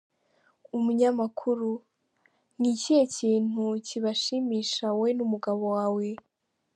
Umunyamakuru:Ni ikihe kintu kibashimisha wowe n’umugabo wawe?.